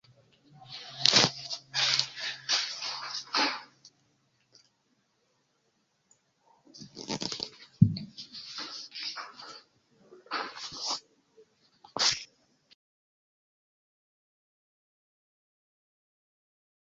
Ĉu mi ne taŭgas por mia ofico?